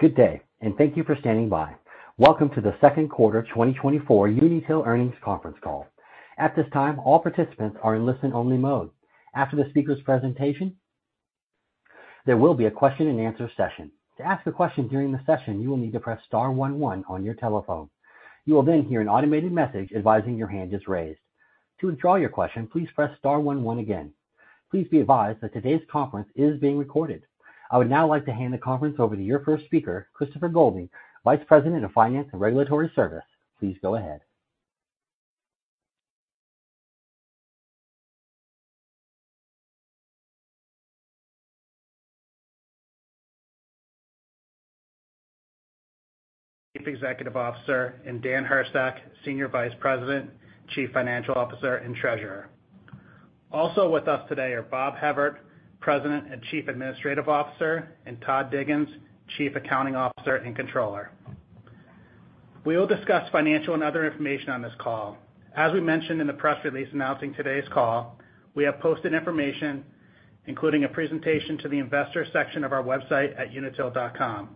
Good day, and thank you for standing by. Welcome to the second quarter 2024 Unitil earnings conference call. At this time, all participants are in listen-only mode. After the speaker's presentation, there will be a question-and-answer session. To ask a question during the session, you will need to press star one, one on your telephone. You will then hear an automated message advising your hand is raised. To withdraw your question, please press star one, one again. Please be advised that today's conference is being recorded. I would now like to hand the conference over to your first speaker, Christopher Goulding, Vice President of Finance and Regulatory Services. Please go ahead.... Executive Officer, and Daniel Hurstak, Senior Vice President, Chief Financial Officer, and Treasurer. Also with us today are Bob Hevert, President and Chief Administrative Officer, and Todd Diggins, Chief Accounting Officer and Controller. We will discuss financial and other information on this call. As we mentioned in the press release announcing today's call, we have posted information, including a presentation, to the Investors section of our website at unitil.com.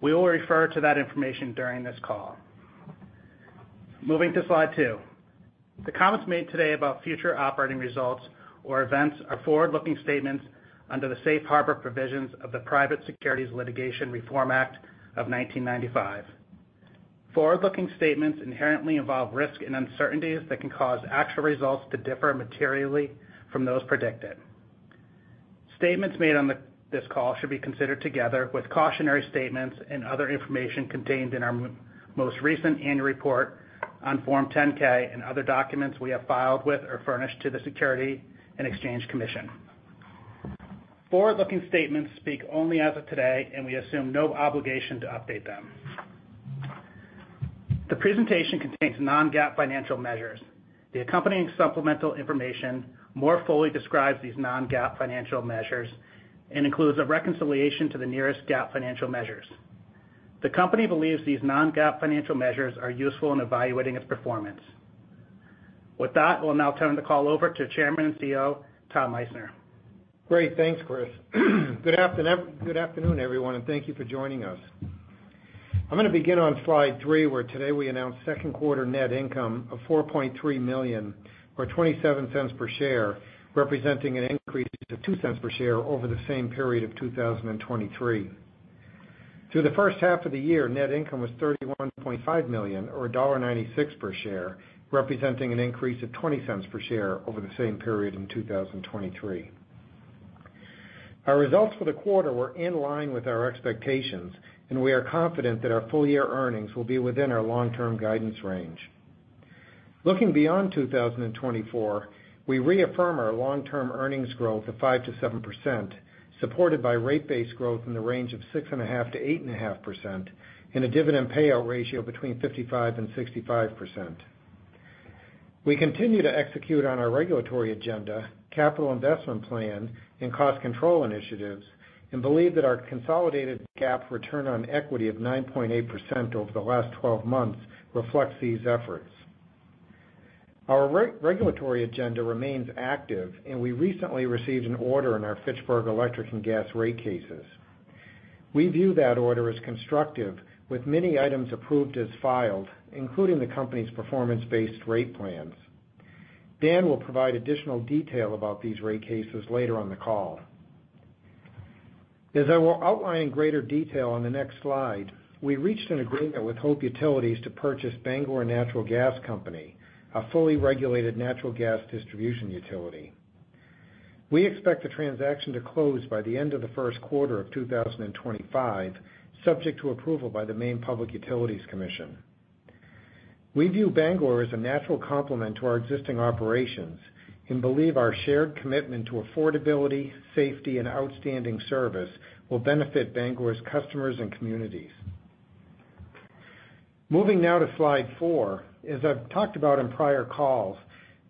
We will refer to that information during this call. Moving to slide 2. The comments made today about future operating results or events are forward-looking statements under the safe harbor provisions of the Private Securities Litigation Reform Act of 1995. Forward-looking statements inherently involve risks and uncertainties that can cause actual results to differ materially from those predicted. Statements made on this call should be considered together with cautionary statements and other information contained in our most recent annual report on Form 10-K and other documents we have filed with or furnished to the Securities and Exchange Commission. Forward-looking statements speak only as of today, and we assume no obligation to update them. The presentation contains non-GAAP financial measures. The accompanying supplemental information more fully describes these non-GAAP financial measures and includes a reconciliation to the nearest GAAP financial measures. The company believes these non-GAAP financial measures are useful in evaluating its performance. With that, we'll now turn the call over to Chairman and CEO, Tom Meissner. Great. Thanks, Chris. Good afternoon, everyone, and thank you for joining us. I'm going to begin on slide 3, where today we announced second quarter net income of $4.3 million, or $0.27 per share, representing an increase of $0.02 per share over the same period of 2023. Through the first half of the year, net income was $31.5 million, or $1.96 per share, representing an increase of $0.20 per share over the same period in 2023. Our results for the quarter were in line with our expectations, and we are confident that our full-year earnings will be within our long-term guidance range. Looking beyond 2024, we reaffirm our long-term earnings growth of 5%-7%, supported by rate base growth in the range of 6.5%-8.5%, and a dividend payout ratio between 55% and 65%. We continue to execute on our regulatory agenda, capital investment plan, and cost control initiatives, and believe that our consolidated GAAP return on equity of 9.8% over the last 12 months reflects these efforts. Our regulatory agenda remains active, and we recently received an order in our Fitchburg Electric and Gas rate cases. We view that order as constructive, with many items approved as filed, including the company's performance-based rate plans. Dan will provide additional detail about these rate cases later on the call. As I will outline in greater detail on the next slide, we reached an agreement with Hope Utilities to purchase Bangor Natural Gas Company, a fully regulated natural gas distribution utility. We expect the transaction to close by the end of the first quarter of 2025, subject to approval by the Maine Public Utilities Commission. We view Bangor as a natural complement to our existing operations and believe our shared commitment to affordability, safety, and outstanding service will benefit Bangor's customers and communities. Moving now to slide 4. As I've talked about in prior calls,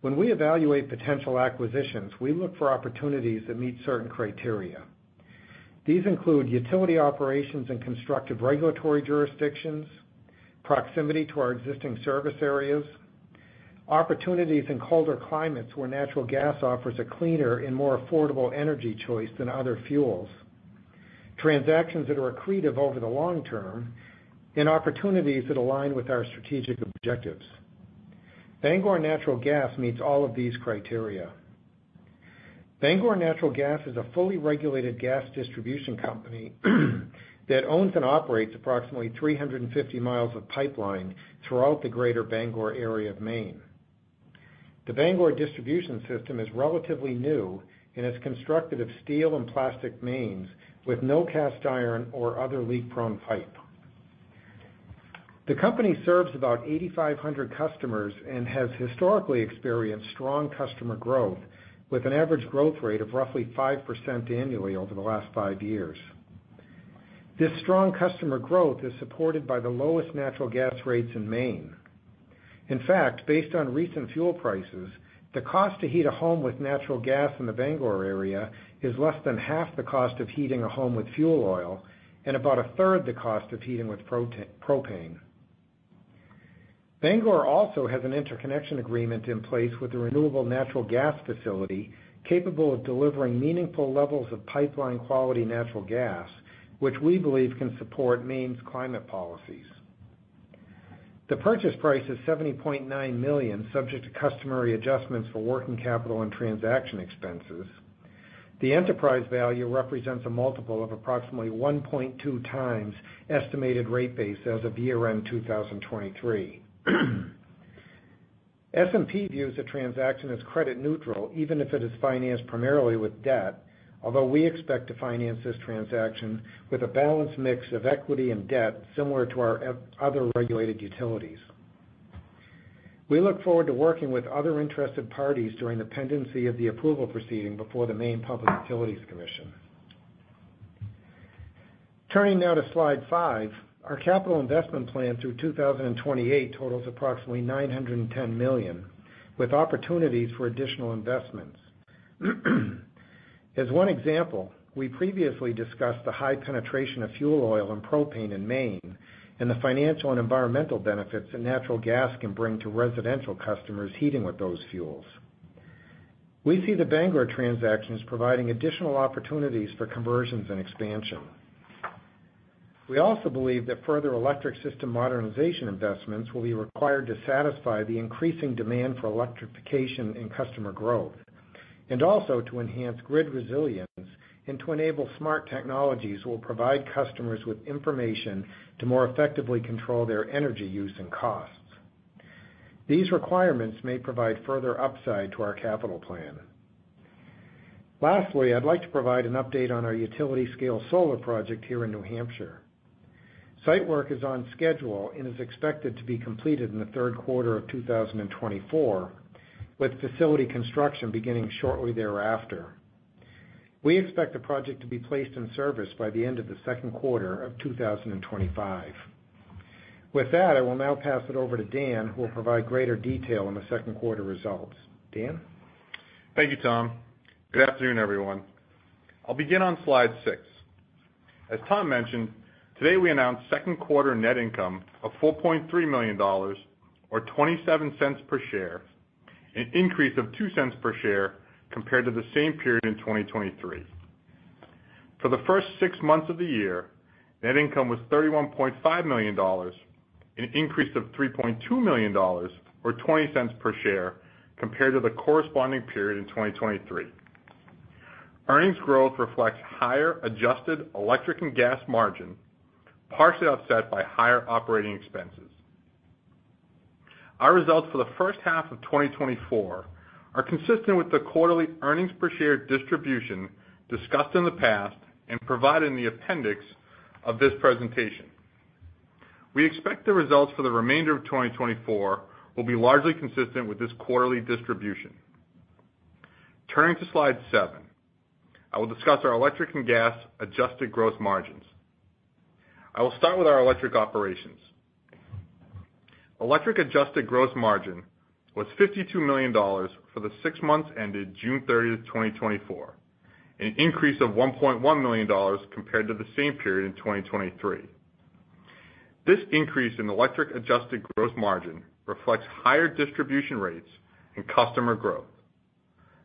when we evaluate potential acquisitions, we look for opportunities that meet certain criteria. These include utility operations and constructive regulatory jurisdictions, proximity to our existing service areas, opportunities in colder climates where natural gas offers a cleaner and more affordable energy choice than other fuels, transactions that are accretive over the long term, and opportunities that align with our strategic objectives. Bangor Natural Gas meets all of these criteria. Bangor Natural Gas is a fully regulated gas distribution company that owns and operates approximately 350 miles of pipeline throughout the greater Bangor area of Maine. The Bangor distribution system is relatively new and is constructed of steel and plastic mains with no cast iron or other leak-prone pipe. The company serves about 8,500 customers and has historically experienced strong customer growth, with an average growth rate of roughly 5% annually over the last 5 years. This strong customer growth is supported by the lowest natural gas rates in Maine. In fact, based on recent fuel prices, the cost to heat a home with natural gas in the Bangor area is less than half the cost of heating a home with fuel oil and about a third the cost of heating with propane. Bangor also has an interconnection agreement in place with a renewable natural gas facility, capable of delivering meaningful levels of pipeline-quality natural gas, which we believe can support Maine's climate policies. The purchase price is $70.9 million, subject to customary adjustments for working capital and transaction expenses. The enterprise value represents a multiple of approximately 1.2x estimated rate base as of year-end 2023. S&P views the transaction as credit neutral, even if it is financed primarily with debt, although we expect to finance this transaction with a balanced mix of equity and debt similar to our other regulated utilities. We look forward to working with other interested parties during the pendency of the approval proceeding before the Maine Public Utilities Commission. Turning now to Slide 5, our capital investment plan through 2028 totals approximately $910 million, with opportunities for additional investments. As one example, we previously discussed the high penetration of fuel oil and propane in Maine, and the financial and environmental benefits that natural gas can bring to residential customers heating with those fuels. We see the Bangor transaction as providing additional opportunities for conversions and expansion. We also believe that further electric system modernization investments will be required to satisfy the increasing demand for electrification and customer growth, and also to enhance grid resilience, and to enable smart technologies will provide customers with information to more effectively control their energy use and costs. These requirements may provide further upside to our capital plan. Lastly, I'd like to provide an update on our utility-scale solar project here in New Hampshire. Site work is on schedule and is expected to be completed in the third quarter of 2024, with facility construction beginning shortly thereafter. We expect the project to be placed in service by the end of the second quarter of 2025. With that, I will now pass it over to Dan, who will provide greater detail on the second quarter results. Dan? Thank you, Tom. Good afternoon, everyone. I'll begin on Slide 6. As Tom mentioned, today we announced second quarter net income of $4.3 million or $0.27 per share, an increase of $0.02 per share compared to the same period in 2023. For the first six months of the year, net income was $31.5 million, an increase of $3.2 million, or $0.20 per share, compared to the corresponding period in 2023. Earnings growth reflects higher adjusted electric and gas margin, partially offset by higher operating expenses. Our results for the first half of 2024 are consistent with the quarterly earnings per share distribution discussed in the past and provided in the appendix of this presentation. We expect the results for the remainder of 2024 will be largely consistent with this quarterly distribution. Turning to Slide 7, I will discuss our electric and gas adjusted gross margins. I will start with our electric operations. Electric adjusted gross margin was $52 million for the six months ended June 30, 2024, an increase of $1.1 million compared to the same period in 2023. This increase in electric adjusted gross margin reflects higher distribution rates and customer growth.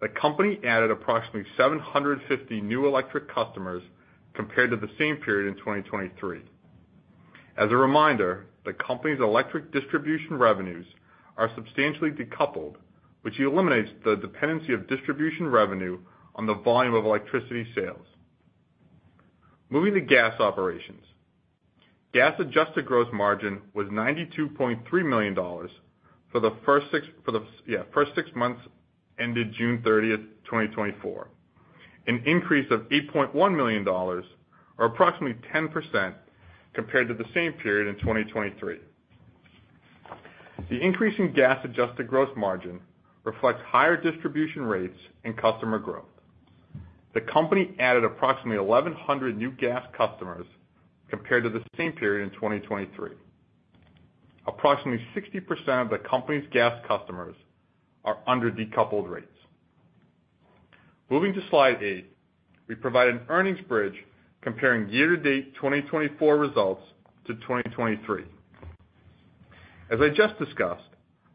The company added approximately 750 new electric customers compared to the same period in 2023. As a reminder, the company's electric distribution revenues are substantially decoupled, which eliminates the dependency of distribution revenue on the volume of electricity sales. Moving to gas operations. Gas adjusted gross margin was $92.3 million for the first six months ended June 30, 2024, an increase of $8.1 million, or approximately 10% compared to the same period in 2023. The increase in gas-adjusted gross margin reflects higher distribution rates and customer growth. The company added approximately 1,100 new gas customers compared to the same period in 2023. Approximately 60% of the company's gas customers are under decoupled rates. Moving to Slide 8, we provide an earnings bridge comparing year-to-date 2024 results to 2023. As I just discussed,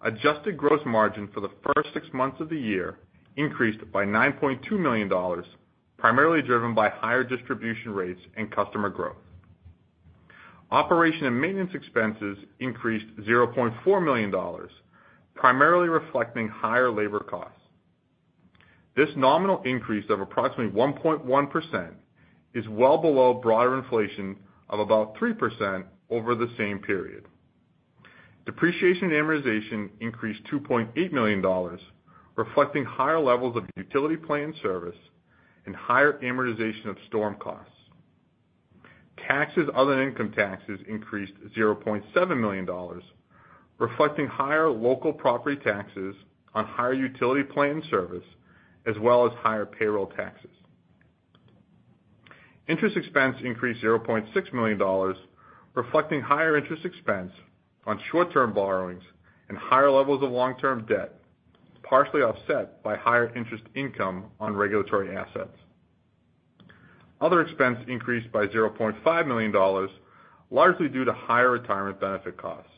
adjusted gross margin for the first six months of the year increased by $9.2 million, primarily driven by higher distribution rates and customer growth. Operation and maintenance expenses increased $0.4 million, primarily reflecting higher labor costs. This nominal increase of approximately 1.1% is well below broader inflation of about 3% over the same period. Depreciation and amortization increased $2.8 million, reflecting higher levels of utility plant service and higher amortization of storm costs. Taxes, other than income taxes, increased $0.7 million, reflecting higher local property taxes on higher utility plant service, as well as higher payroll taxes. Interest expense increased $0.6 million, reflecting higher interest expense on short-term borrowings and higher levels of long-term debt, partially offset by higher interest income on regulatory assets. Other expense increased by $0.5 million, largely due to higher retirement benefit costs.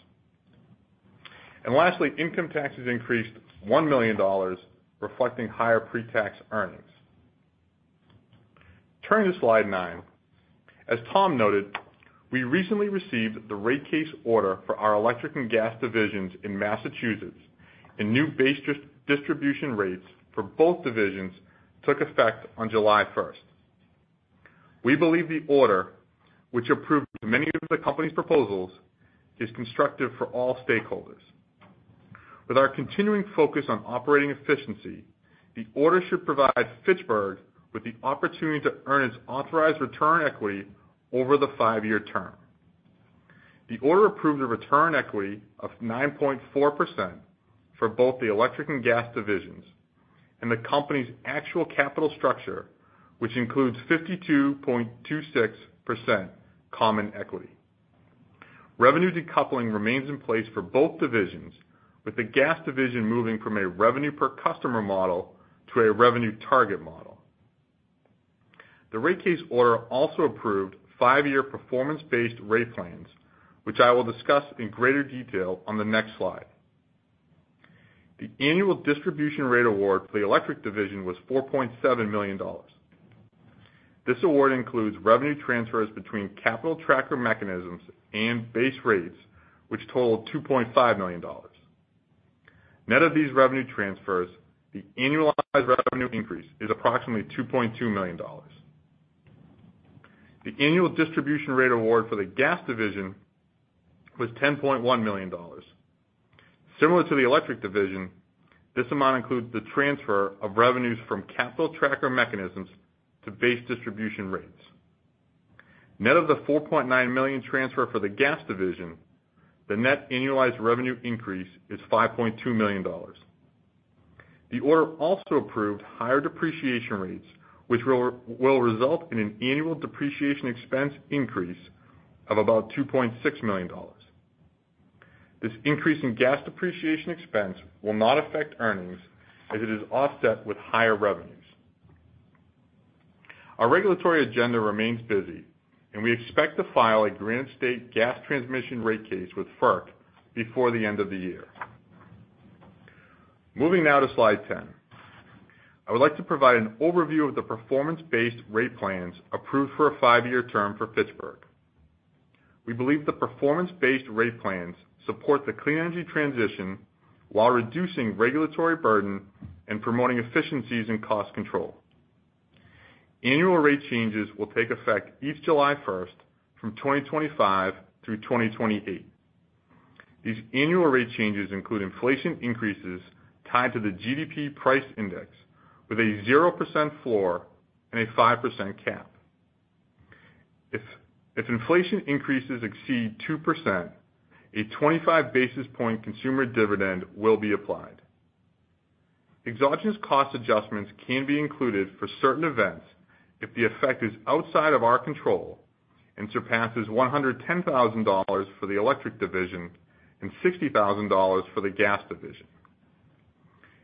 And lastly, income taxes increased $1 million, reflecting higher pre-tax earnings. Turning to slide nine. As Tom noted, we recently received the rate case order for our electric and gas divisions in Massachusetts, and new base distribution rates for both divisions took effect on July 1st. We believe the order, which approved many of the company's proposals, is constructive for all stakeholders. With our continuing focus on operating efficiency, the order should provide Fitchburg with the opportunity to earn its authorized return on equity over the five-year term. The order approved a return on equity of 9.4% for both the electric and gas divisions, and the company's actual capital structure, which includes 52.26% common equity. Revenue decoupling remains in place for both divisions, with the gas division moving from a revenue per customer model to a revenue target model. The rate case order also approved five-year performance-based rate plans, which I will discuss in greater detail on the next slide. The annual distribution rate award for the electric division was $4.7 million. This award includes revenue transfers between capital tracker mechanisms and base rates, which totaled $2.5 million. Net of these revenue transfers, the annualized revenue increase is approximately $2.2 million. The annual distribution rate award for the gas division was $10.1 million. Similar to the electric division, this amount includes the transfer of revenues from capital tracker mechanisms to base distribution rates. Net of the $4.9 million transfer for the gas division, the net annualized revenue increase is $5.2 million. The order also approved higher depreciation rates, which will result in an annual depreciation expense increase of about $2.6 million. This increase in gas depreciation expense will not affect earnings, as it is offset with higher revenues. Our regulatory agenda remains busy, and we expect to file a Granite State Gas Transmission rate case with FERC before the end of the year. Moving now to slide 10. I would like to provide an overview of the performance-based rate plans approved for a five-year term for Fitchburg. We believe the performance-based rate plans support the clean energy transition while reducing regulatory burden and promoting efficiencies and cost control. Annual rate changes will take effect each July 1st, from 2025 through 2028. These annual rate changes include inflation increases tied to the GDP price index with a 0% floor and a 5% cap. If inflation increases exceed 2%, a 25 basis point consumer dividend will be applied. Exogenous cost adjustments can be included for certain events if the effect is outside of our control and surpasses $110,000 for the electric division and $60,000 for the gas division.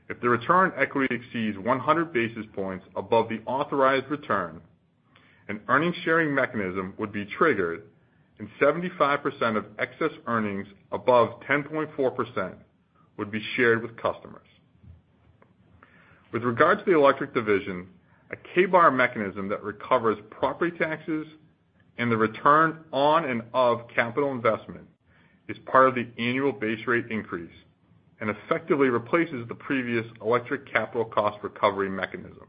If the return on equity exceeds 100 basis points above the authorized return, an earnings sharing mechanism would be triggered, and 75% of excess earnings above 10.4% would be shared with customers. With regards to the electric division, a K-bar mechanism that recovers property taxes and the return on and of capital investment is part of the annual base rate increase and effectively replaces the previous electric capital cost recovery mechanism.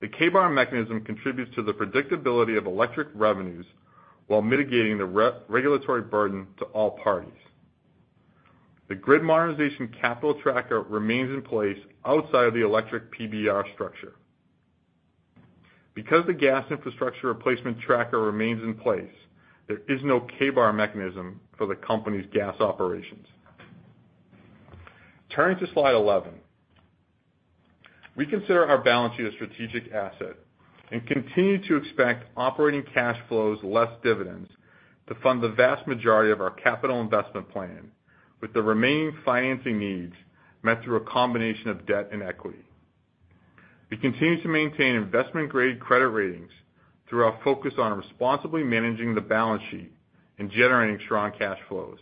The K-bar mechanism contributes to the predictability of electric revenues while mitigating the regulatory burden to all parties. The grid modernization capital tracker remains in place outside of the electric PBR structure. Because the gas infrastructure replacement tracker remains in place, there is no K-bar mechanism for the company's gas operations. Turning to slide 11. We consider our balance sheet a strategic asset and continue to expect operating cash flows less dividends to fund the vast majority of our capital investment plan, with the remaining financing needs met through a combination of debt and equity. We continue to maintain investment-grade credit ratings through our focus on responsibly managing the balance sheet and generating strong cash flows.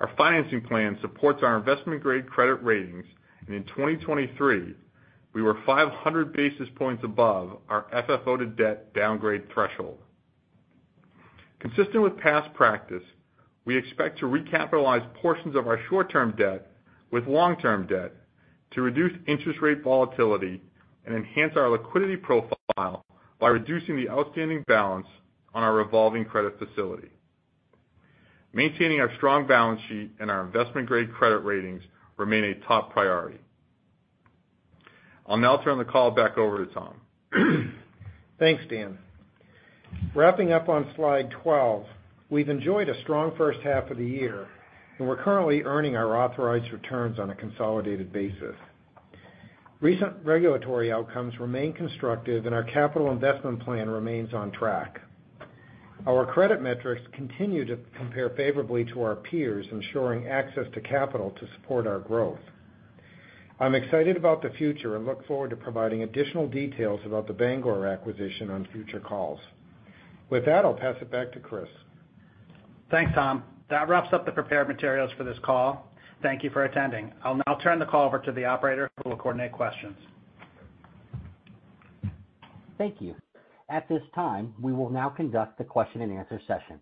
Our financing plan supports our investment-grade credit ratings, and in 2023, we were 500 basis points above our FFO to debt downgrade threshold. Consistent with past practice, we expect to recapitalize portions of our short-term debt with long-term debt to reduce interest rate volatility and enhance our liquidity profile by reducing the outstanding balance on our revolving credit facility. Maintaining our strong balance sheet and our investment-grade credit ratings remain a top priority. I'll now turn the call back over to Tom. Thanks, Dan. Wrapping up on slide 12, we've enjoyed a strong first half of the year, and we're currently earning our authorized returns on a consolidated basis. Recent regulatory outcomes remain constructive, and our capital investment plan remains on track. Our credit metrics continue to compare favorably to our peers, ensuring access to capital to support our growth. I'm excited about the future and look forward to providing additional details about the Bangor acquisition on future calls. With that, I'll pass it back to Chris. Thanks, Tom. That wraps up the prepared materials for this call. Thank you for attending. I'll now turn the call over to the operator, who will coordinate questions. Thank you. At this time, we will now conduct the question-and-answer session.